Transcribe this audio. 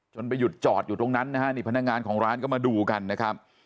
ไปหยุดจอดอยู่ตรงนั้นนะฮะนี่พนักงานของร้านก็มาดูกันนะครับ